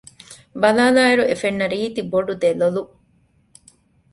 ބަލާލާއިރު އެފެންނަ ރީތި ބޮޑު ދެލޮލު